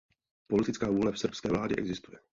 Politická vůle v srbské vládě existuje.